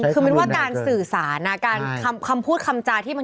ถ้าครูหาเหตุผลไม่ได้ก็ไม่ต้องอธิบาย